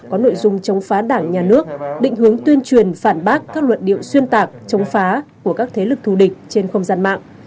có nội dung chống phá đảng nhà nước định hướng tuyên truyền phản bác các luận điệu xuyên tạc chống phá của các thế lực thù địch trên không gian mạng